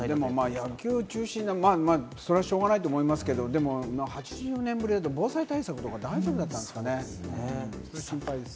野球中止がね、それはしょうがないと思いますけれども、８４年ぶりだと防災対策とか大丈夫なんですかね、心配です。